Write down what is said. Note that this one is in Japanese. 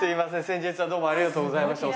先日はどうもありがとうございました。